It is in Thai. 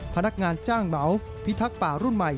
พนักงานจ้างเหมาพิทักษ์ป่ารุ่นใหม่